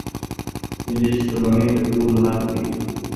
ملي شتمنۍ د ټولو حق دی.